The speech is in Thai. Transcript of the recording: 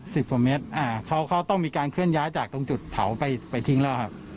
สิบกว่าเมตรอ่าเขาเขาต้องมีการเคลื่อนย้ายจากตรงจุดเผาไปไปทิ้งแล้วครับ